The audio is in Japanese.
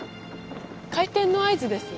開店の合図です。